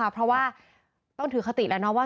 เพราะว่าต้องถือคติแล้วนะว่า